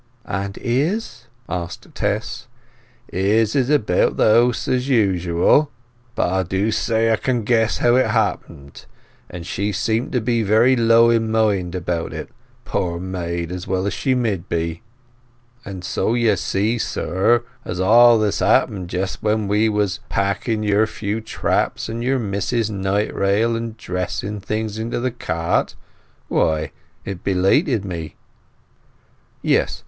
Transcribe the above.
"And Izz?" asked Tess. "Izz is about house as usual; but 'a do say 'a can guess how it happened; and she seems to be very low in mind about it, poor maid, as well she mid be. And so you see, sir, as all this happened just when we was packing your few traps and your Mis'ess's night rail and dressing things into the cart, why, it belated me." "Yes.